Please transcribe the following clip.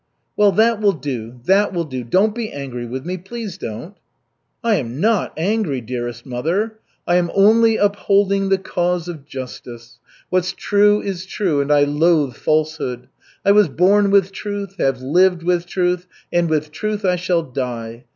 "Well, that will do, that will do. Don't be angry with me, please don't!" "I am not angry, dearest mother, I am only upholding the cause of justice. What's true is true and I loathe falsehood. I was born with truth, have lived with truth, and with truth I shall die.